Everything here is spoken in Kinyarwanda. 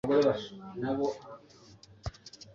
aho kuba abo bikundira.